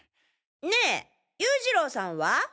ねェ優次郎さんは？